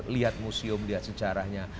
lihat museum lihat sejarahnya